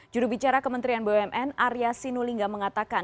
juru bicara kementerian bumn arya sinulinga mengatakan